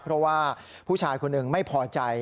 เพราะว่าผู้ชายคนหนึ่งไม่พอใจ